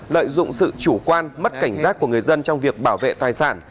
lợi dụng sự chủ quan mất cảnh giác của người dân trong việc bảo vệ tài sản